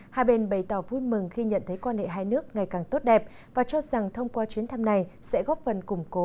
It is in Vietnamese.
hai bên bày tỏ vui mừng khi nhận thấy quan hệ hai nước ngày càng tốt đẹp và cho rằng thông qua chuyến thăm này sẽ góp phần củng cố